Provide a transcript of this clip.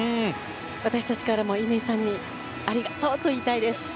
私たちからも乾さんにありがとうと言いたいです。